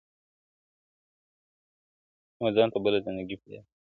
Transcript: وځان ته بله زنده گي پيدا كړه.